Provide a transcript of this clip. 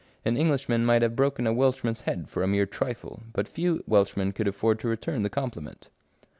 An Englishman might have broken a Welshman's head for a mere trifle, but few Welshmen could afford to return the compliment."